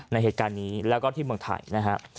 ในเหตุการณ์นี้แล้วก็ที่เมืองไทยนะฮะ